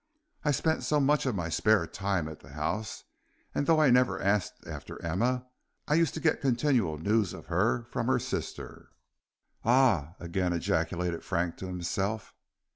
I spent much of my spare time at the house, and though I never asked after Emma, I used to get continual news of her from her sister." "Ah!" again ejaculated Frank to himself.